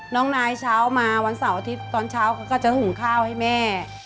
น้องนายเช้ามาวันเสาร์อาทิตย์ตอนเช้าเขาก็จะหุงข้าวให้แม่